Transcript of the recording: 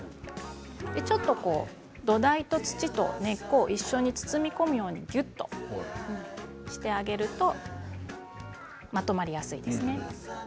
ちょっと土台と土と根っこを一緒に包み込むようにぎゅっと下に入れるとまとまりやすくなります。